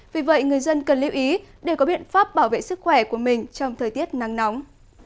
vì vậy người dân cần lưu ý để có biện pháp bảo vệ sức khỏe của mình trong thời tiết nắng nóng